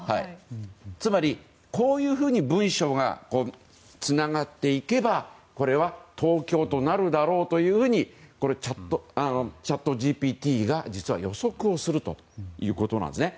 つまり、こういうふうに文章がつながっていけば、これは東京となるだろうというふうにチャットＧＰＴが実は予測をするということなんですね。